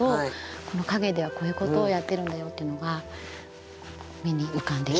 陰ではこういうことをやっているんだよっていうのが目に浮かんできて。